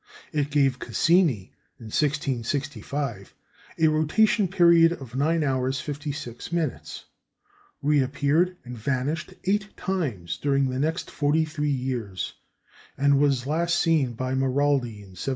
It gave Cassini in 1665 a rotation period of nine hours fifty six minutes, reappeared and vanished eight times during the next forty three years, and was last seen by Maraldi in 1713.